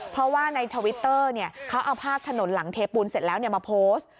เพราะว่าในทวิตเตอร์เขาเอาภาพถนนหลังเทปูนเสร็จแล้วมาโพสต์